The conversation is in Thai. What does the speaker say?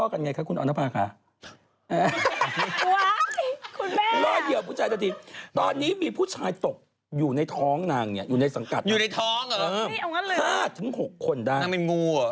อ้าวตายนางน่ากลัว